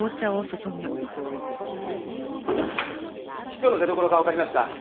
ヒ素の出どころがわかりました。